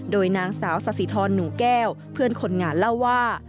โดยนางสาวสสิทรหนูแก้วเพื่อนคนงานเล่าว่า